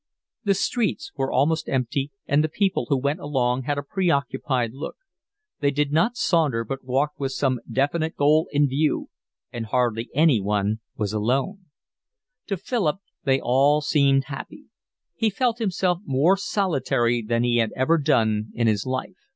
The streets were almost empty, and the people who went along had a preoccupied look; they did not saunter but walked with some definite goal in view, and hardly anyone was alone. To Philip they all seemed happy. He felt himself more solitary than he had ever done in his life.